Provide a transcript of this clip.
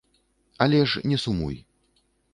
Але ж не сумуй.